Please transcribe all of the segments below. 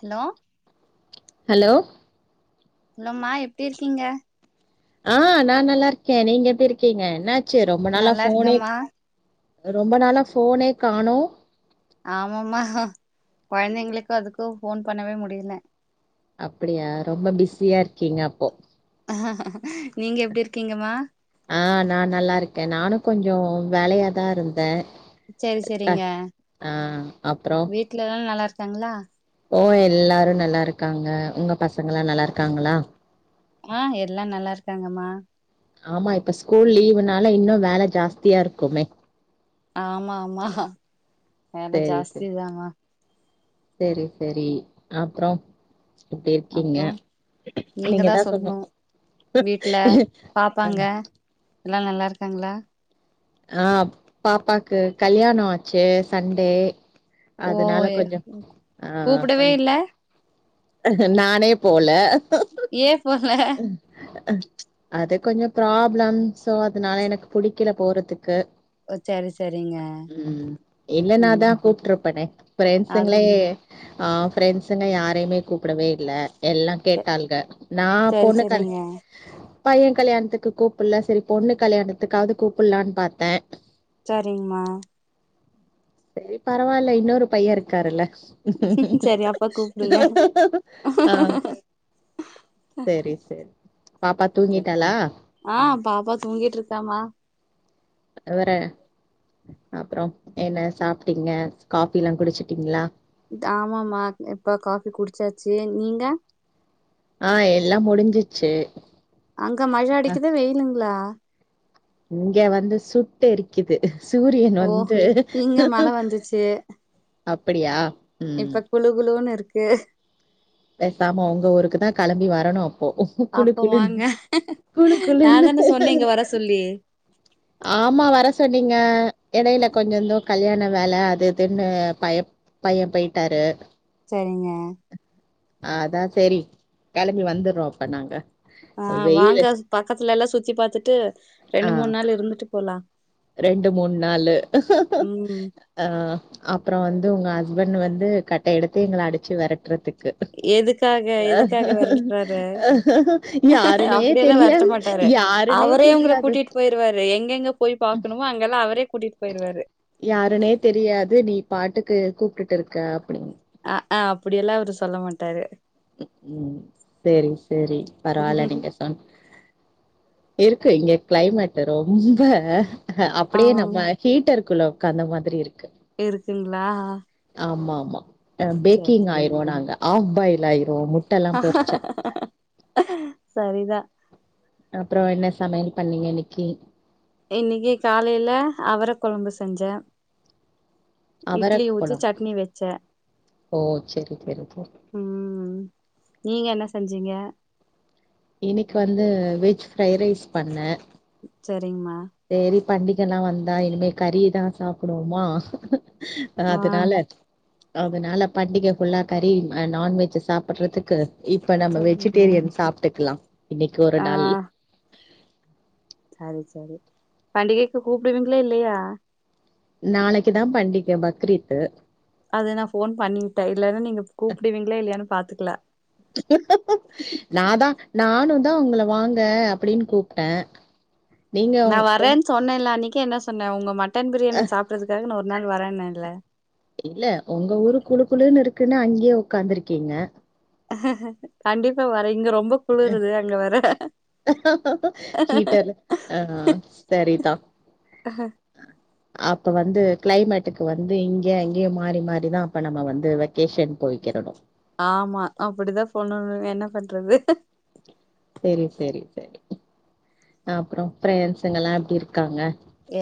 hello hello இல்லம்மா எப்டி இருக்கீங்க ஆ நான நல்ல இருக்கேன் நீங்க எப்டி இருக்கீங்க என்ன ச்சு ரொம்ப நாளா நல்லா ஃபோனே இருக்கம்மா ரொம்ப நாளா ஃபோனே காணோ ஆமா ஆமா கொழந்தைங்களுக்கும் அதுக்கும் போன் பண்ணவே முடியல அப்டியா ரொம்ப பிஸியா இருக்கீங்க அப்போ நீங்க எப்டி இருக்கீங்கம்மா ஆ நா நல்லா இருக்கே நானு கொஞ்சோ வேலையாதா இருந்தே செரி க செரிங்க ஆ அப்றோ வீட்ல எல்லாம் நல்லா இருக் க்காங்களா ஓ எல்லாரு நல்லா இருக்காங்க உங்க பசங்கல்லா நல்லா இருக்காங்களா ஆஹ எல்லா நல்லா இருக்காங்கம்மா ஆமா இப்ப ஸ்கூல் லீவுனால இன்னு வேலை ஜாஸ்தியா இருக்குமே ஆமா ஆமா வேல செரி செரி ஜாஸ்திதாம்மா செரி செரி அப்றம் எப்டி இருக்கீங்க அப்றோ நீங்க தா நீங்கதான் சொல்ணு சொல்லணும் வீட்ல பாப்பாங்க எல்லா நல்ல இருக்காங்களா ஆ பாப்பாக்கு கல்யாணோ ஆச்சு சண்டே ஓ அதனால கொஞ்சோ ஆ கூப்படவே கொஞ் இல்ல நானே போல ஏன் போகல அ அது கொஞ்சம் ப்ராப்ளம் சோ அதனால எனக்கு பிடிக்கல போறதுக்கு ஓ சரி சரிங்க உம் ம் இல்லனாதா கூப்ட்டுருப்பனே அது ஃபிரண்ட்ஸ்ங்களே ஆ ஃப்ரெண்ட்ஸுங்க யாரையுமே கூப்படவே இல்ல எல்லா கேட்டாள்க நா செரி பொண்ணு கல் செரிங்க பைய கல்யாணத்துக்கு கூப்டல சரி பொண்ணு கல்யாணத்துக்காவது கூப்புடலான்னு பாத்தே சரிங்கமா செரி பரவாயில்ல இன்னொரு பையன் இருக்காருல்ல உ ம் ம் சரி அப்ப கூப்டுங்க ம் ஆஹ் சரி சரி பாப்பா தூங்கிட்டாலா ஆ [inaudible] இருக்காமா அவர அப்புறம் என்ன சாப்பிட்டீங்க காபி எல்லாம் குடிச்சுட்டீங்களா ஆமாமமா இப்ப காபி குடிச்சாச்சு நீங்க ஆ எல்லாம் முடிஞ்சிச்சு அங்க மழை அ அடிக்குத வெயிலுங்களா இங்க வந்து சுட்டு எரிக்குது சூரியன் ஓ வந்து இங்க மழ வந்துச்சு அப்படியா ம் இப்ப குளு குளுன்னு இருக்கு ஹீ பேசாம உங்க ஊருக்கு தான் கிளம்பி வரணும் அப்போ வாங்க குளு நான் குளுன்னு தானே சொன்னேன் இங்க வர சொல்லி ஆமா வர சொன்னீங்க இடையில கொஞ்ஏதோ கல்யாண வேலை அது இதுன்னு பய பையன் போயிட்டாரு செரிங்க அதான் செரி கிளம்பி வந்துடுறோம் அப்ப நாங்க ஆ வெயிலு வாங்க பக்கத்துல எல்லாம் சுத்தி பாத்துட்டு ஆ ரெண்டு மூணு நாள் இருந்துட்டு போலா ரெண்டு மூணு நாள் ம் அ அப்புறம் வந்து உங்க ஹஸ்பண்ட் வந்து கட்ட எடுத்து எங்கள அடிச்சு விரட்டுறதுக்கு எதுக்காக எதுக்காக விரட்டுறாரு யாருனே அப்டியெல்லாம் விரட்ட தெரியாது மாட்டாரு யாருனே அவரே உங்கள தெரியாது கூட்டிட்டு போயிருவாரு எங்கெங்க போய் பா [inaudible] அங்கல்லாம் அவரே கூட் யாருனே தெரியாது நீ பாட்டுக்கு கூப் விட்டுட்டு இருக்கா அப்டினு அ அப்டியெல்லாம் அவரு சொல்ல மாட்டாரு உம் சரி சரி பரவலா நீங்க சொன்ன இருக்கு இங்க கிளைமேட் ரொம்ப ஹ அப்டியே ஆமாமா நம்ம ஹீட்டருக்குள்ள அந்த மாரி இருக்கு இருக்குங்களா ஆமா ஆமா அ சரி பேக்கிங் சரிமா ஆயிரோம் நாங்க ஹாஃப் பாயில் லைறோம் [inaudible] முட்ட எல்லாம் பொரிச்ச சரிதா அப்புறம் என்ன சமையல் பண்ணீங்க இன்னிக்கி இன்னைக்கு காலையில அவர கொழம்பு செஞ்சே இட்லி அவரக் ஊத்தி குளம் சட்னி வச்சே ஓ செரி செரி செரி உஹம் நீங்க என்ன செஞ்ச ஜிங்க இன்னைக்கு வந்து வெஜ் ஃப்ஐ ரைஸ் பண்னே செர் சரிங்மா பண்டிகளா வந்தா இனிமே கறிதான் சாப்புடுவோமா ஹ ஆ அதனால அதனால பண்டிகை ஃபுல்லா கறி் நான்வெஜ் சாப்பிடுறதுக்கு இப்ப நம்ம சரிங்க வெஜிடேரியன் சாப்புட்டுக்கலாம் இன்னைக்கு ஆ ஒருநாள் சரி சரி பண்டிகைக்கு கூப்புடுவீங்களா இல்லையா நாளைக்குதான் பண்டிக்க பக்ரீத்து அத நா போன் பண்ணிட்டே இல்லன்னா நீங்க கூப்புடுவீங்ளா இல்லையானு பாத்துட்டு இல்ல நானும் தா உங்கள வாங்க அப்டின் கூப்டே நா வரேன் சொன்னேல அன்னைக்கி நீ என்ன சொன்னே உங்க மட்ட மட்டன் பிரியாணி சாப்புறதுக்காக நா ஒரு நான் வரேன்னஇல்ல இல்ல உங்க ஊரு குழு குழுன்னு இருக்குன்னு அங்கே உக்காந்துருக்கீங்க ஹ ஹ கண்டிப்பா வரை இங்க ரொம்ப குளுருது அங்க வற ஹீட்டர் ஆ சரிதா ஹ ஹ ஹ அப்ப வந்து கிளைமேட்டுக்கு வந்து இங்க அங்கேயும் மாறி மாறிதா அப்ப நம்ம வந்து வெக்கேஷன் போய்க்கிறணும் ஆமா அப்புடிதான் போனு இனிமே என்ன பண்றது செரி செரி அப்புறம் பிரண்ட்சுங்கல்லாம் எப்படி இருக்காங்க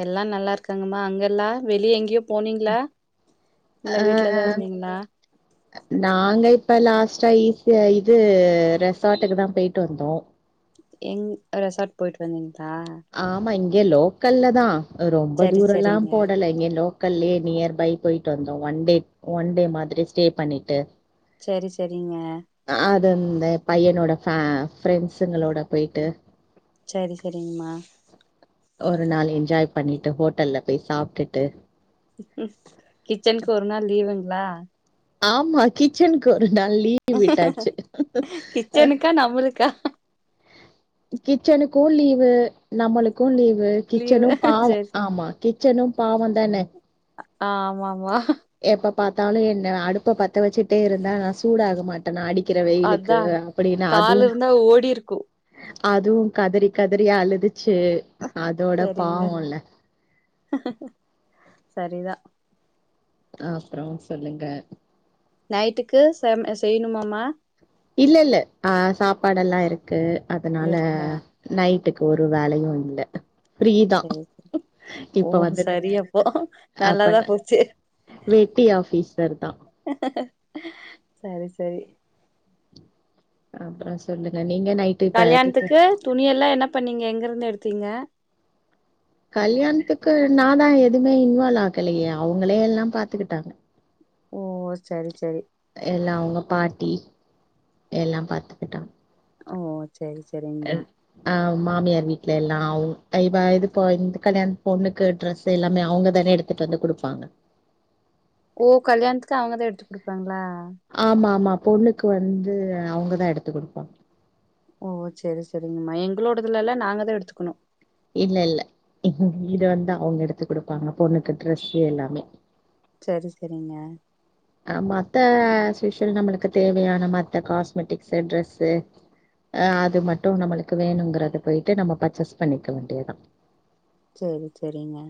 எல்லா நல்லா இருக்காங்கம்மா அங்க எல்லா வெளிய எங்கையும் அஹ இருந்தீங்களா நாங்க இப்ப லாஸ்ட் ஈஸியா இது ரெசாட்டுக்கு தா போயிட்டு வந்தோம் எங் ரெசார்ட் போயிட்டு வந்தீங்க ஆமா இங் இங்க லோக்கல்ல தா ரொம்ப சரி தூரலா சரிங்க போடல இங்கலோ லோக்கல்லே நியர் பை போயிட்டு வந்தோம் ஒன் டே ஒன் டே மாதிரி ஸ்டே பண்ணிட்டு ச்செரி ச்செரிங்க இந்த பையனோட ஃப ஃப்ரெண்ட்சுங்களோட போயிட்டு ச்சரி ச்சரிங்கம்மா ஒரு நாள் என்ஜாய் பண்ணிட்டு ஹோட்டல்ல போய் சாப்புட்டுட்டு கிச்சனுக்கு ஒரு நாள் லீவுங்களா ஆமா கிச்சன்க்கு ஒரு நாள் லீவு விட்டாச்சு ஹ கிச்சனுக்கா நம்மளுக்கா கிச்சனுக்கும் லீவு நம்மளுக்கும் லீவ் லீவு கிச்சனும் பாவும் சரி ஆமா கிச்சனும் பாவம் தனே ஆஹ் ஆமா ஆமா எப்ப பார்த்தாலும் என்ன அடுப்ப பத்த வச்சுிட்டே இருந்தா நான் சூடாக மாட்டேனா அடிக்க அதான் கால் இருந்தா ஓடிருக்கும் அதுவும் கதறி கதறி அழுதுச்சு அதோட சரிங்க பாவம்ல சரிதான் அப்புறம் சொல்லுங்க நைட்டுக்கு செ செய்யணுமாமமா இல்ல இல்ல ஆஹ் சாப்பாடேல்லாம் இருக்கு இது அதனால இருக்கா நைட் க்கு ஒரு வேலையும் இல்ல பிரீதான் செரி செரி ஓ இப்ப வந்து சரி அப்போ நல்லாதா அப்பண்ண போச்சு வேட்டி ஆபீசர் தான் சரி சரி அப்றம் சொல்லு கல்யாணத்துக்கு துணி எல்லாம் என்ன பண்ணீங்க எங்க இருந்து எடுத்து ப்திக கல்யாணத்துக்கு நாதான் எதுவுமே இன்வால்வ் ஆகலையே அவங்களே எல்லாம் பாத்துக்கிட்டாங்க ஓ சரி சரி எல்லாம் அவங்க பாட்டி எல்லாம் பார்த்துக்கிட்டான் ஓ சரி சரிங்மா ஆஹ் மாமியார் வீட்ல எல்லாவு இவ இதுக்க இந்த கல்யாண பொண்ணுக்கு ட்ரெஸ் எல்லாமே அவங்கதானே எடுத்துட்டு வந்து குடுப்பாங்க ஓ கல்யாணத்துக்கு அவங்கதான் எடுத்துக் குடுப்பாங்களா ஆமா மா பொண்ணுக்கு வந்து அவங்கதா எடுத்து குடுப்பாங்க ஓ சரி சரிங்கம்மா எங்களோடதுல எல்லாம் நாங்கதான் எடுத்துக்கணும் இல்ல இல்ல எங்க வீடு வந்து அவங்க எடுத்து குடுப்பாங்க பொண்ணுக்கு ட்ரெஸ்சு எல்லாமே சரி சரிங்க அஹ் மத்த அஸ்யூசுவல் நம்மளுக்கு தேவையான மத்த காஸ்மெட்டிக்ஸ் ட்ரெஸ்சு அஹ் அது மட்டும் நம்மளுக்கு வேணுங்கறத போயிட்டு நம்ம பர்ச்சேஸ் பண்ணிக்க வேண்டியதுதான் சரி சரிங்கா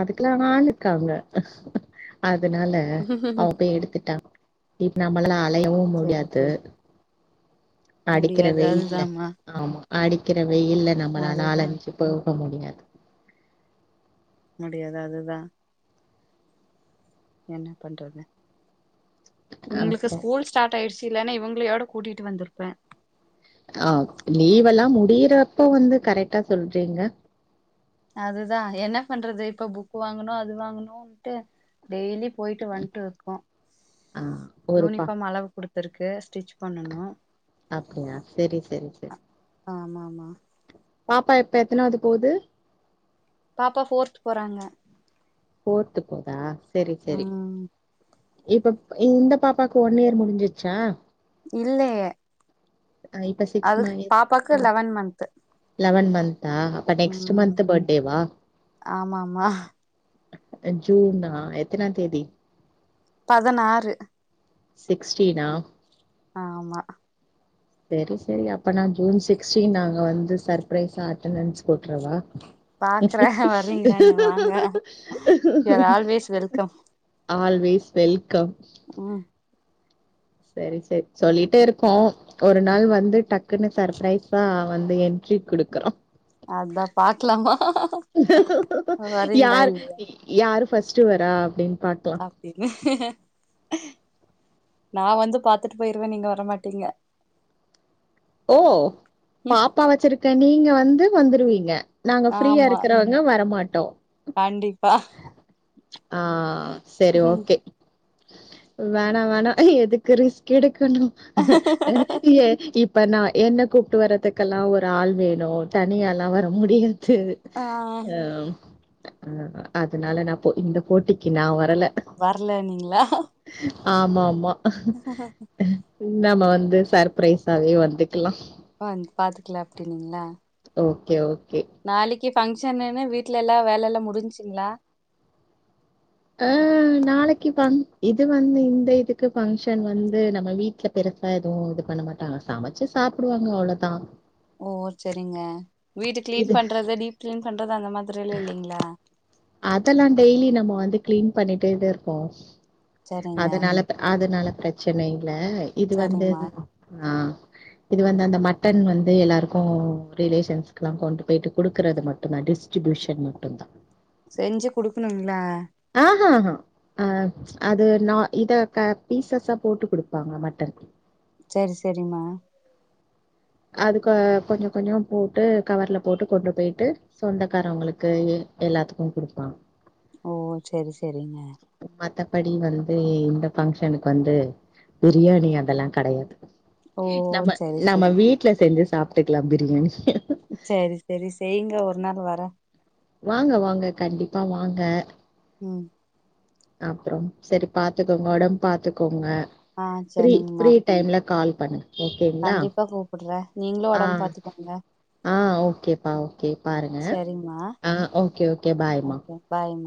அதுக்கெல்லாம் ஆள்க்காங்க அ அதனால அவன் போய் எடுத்துட்டான் இப் நம்ம எல்லா அலையவு செரி முடியாது செரி அடிக்கிற முடியாது வெயில்ல அதுதாம்மா ஆமா அடிக்கிற வெயில்ல நம்மளால அதுதா அலஞ்சு போம் அப்ப முடியாது முடியாது அதுதா என்ன பண்றது உங்களுக்கு அப்றோ ஸ்கூல் ஸ்டார்ட் ஆயிடுச் இல்லனா இவங்களையோட கூட்டிட்டு வந்திருப்பே ஆ லீவெல்லா முடியறப்போ வந்து கரெக்டா சொல்றீங்க அதுதான் என்ன பண்றது இப்ப புக் வாங்கணு அது வாங்கணும்ட்டு டெய்லி போய்ட்டு வன்ட்டு இருக்கோ ஆ ஒருப்பா யூனிஃபார்ம் அளவு குடுத் இருக்கு ஸ்டிட்ச் அப்டியா செரி செரி செரி ஆமா ஆமா பாப்பா இப்ப எத்தனாவுது போகுது பாப்பா ஃபோர்த் போறாங்க ஃபோர்த்து போதா செரி செரி ம் இப்ப இந்த பாப்பாக்கு ஒன் இயர் முடிஞ்சிச்சா இல்லையே அஹ் இப்ப சிக்ஸ் அதுக்கு மந்த் பாப்பாக்கு லெவன் மன்த் ஆ அப்ப நெக்ஸ்ட் மந்த் பர்த்டேவா ஆமா ஆமா அ ஜூனா எத்தனாந் தேதி பதனாறு சிக்ஸ்டீனா ஆமா சரி சரி அப்ப நான் ஜூன் சிக்ஸ்டீன் அங்க வந்து சர்பிரைஸா அட்டண்டன்ஸ் போட்றவா பாக்குறே வர்றீங்களான்னு வாங்க you are always welcome always welcome ம் சரி சரி சொல்லிட்டே இருக்கோ ஒரு நாள் வந்து டக்குன்னு சர்பிரரைஸா வந்து என்ட்ரி குடுக்குறோ அதா பாக்கலாமா வரீங்களா இல்லையா ஃபஸ்ட்டு வரா அப்டின்னு பாக்லா அப்டி இல்ல நா வந்து பாத்துட்டு போயிருவே நீங்க வரமாட்டீங்க ஓ பாப்பா வச்சிருக்க நீங்க வ ந்து வந்துருவீங்க நாங்க ஃப்ரீயா ஆமா இருக்கிறவங்க வரமாட் டோ கண்டிப்பா ஆஹ் செரி ஓகே வேணா வேணா எதுக்கு ரிஸ்க் எடு [unintelligible] இப்ப நான் என்ன கூப்ட்டு வரதுக்கெல்லா ஒரு ஆள் வேணு தனியால்லாம் வர முடிய செரி ஆ ஆஹ் ஆஹ் அதனால நான் போ இந்த போட்டிக்கு நான் வரல வரல நீங்களா ஆமா ஆமா [unintelligible] நம்ம வந்து சர்ப்ரைஸாவே வந் இதுக்கெலா ஆ பாத்துக்கலா அப்டினீங்களா ஓகே ஓ நாளைக்கி இங்க பங்க்ஷன்னுன்னு வீட்டுல எல்லாம் வேல எல்லாம் முடிஞ்சுங்ளா அஹ் நாளைக்கு இது வந்து இந்த இதுக்கு பங்க்ஷன் வந்து நம்ம வீட்டு்ல பெருசா எதுவும் இது பண்ண மாட்டாங்க சமைச்சு சாப்புடுவாங்க அவ்ளவுதா ஓ சரிங்க வீட்டு கிளீன் இது பண்றது டீப் கிளீன் பண்றது அந்த மாதிரி எல்லா இல்லிங்ளா அதெல்லாம் டெய்லி நம்ம வந்து கிளீன் பண்ணிட்டேத இருக்கோம் சரிங்க அதனால அதனால பிரச்சனை இது வந்து சரிம்மா ஆஹ் இது வந்து அந்த மட்டன் வந்து எல்லாருக்கும் ரிலேஷன்ஸ்க எல்லாம் கொண்டு போயிட்டு குடுக்கறது மட்டுும்்தான் டிஸ்ட்ரிபியூஷன் மட்டுும் தான் செஞ்சு குடுக்கணும்ங்களா ஆஹாஹா அஹ் அது ந இத பீசஸா போட்டு குடுப்பாங்க மட்டன் சரி சரிம்மா அதுக்கு கொஞ்சம் கொஞ்சம் போட்டு கவர்ல போட்டு கொண்டு போயிட்டு சொந்தக்காரவங்களுக்கு எல்லாத்துக்கும் கொடுப்பாங்க ஓ சரி சரிங்க மத்தபடி வந்து இந்த பங்க்ஷனுக்கு வந்து பிரியாணி அதெல்லாம் கிடையாது ஓ நம்ம செரி நம்ம செரி வீட்டு செஞ்ச சாப்பிட்டுக்கலாம் பிரியாணி சரி சரி செய்ங்க ஒரு நாள் வரோ வாங்க வாங்க கண்டிப்பா வாங்க உம் அப்புறம் செரி பாத்துக்கோங்க உடம்பு பாத்துக்கோங்க ஆ பிரீ செரிங்கம்மா பிரீ டைம்ல கால் பண்ணுங்க ஓகேங்களா கண்டிப்பா கூப்புடுறே நீங்களு ஆ ஒடம்பு பாத்துக்கோங்க ஆ ஓகேப்பா ஓகே பாருங்க சரிம்மா ஆ ஓகே ஓகே பாய்மா ஓகே பாய்மா